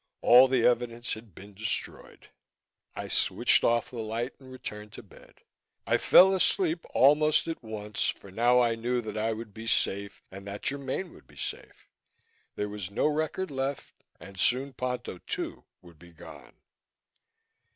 All the evidence had been destroyed. I switched off the light and returned to bed. I fell asleep almost at once, for now I knew that I would be safe and that Germaine would be safe. There was no record left and soon Ponto, too, would be gone.